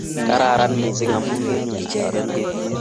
Kararan mising' amu kenyo itobeno